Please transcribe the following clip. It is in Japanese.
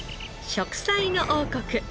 『食彩の王国』